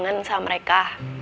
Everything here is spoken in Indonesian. gak bisa mereka